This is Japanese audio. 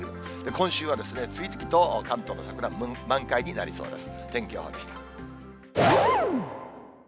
今週は次々と関東の桜、満開になりそうです。